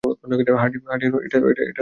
Hardinge, এটা তোমাকে কে দিয়েছে?